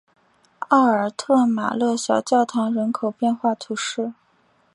奥尔特马勒小教堂人口变化图示